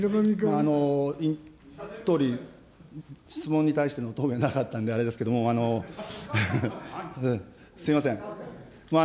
総理、質問に対しての答弁がなかったんで、あれですけれども、すみません。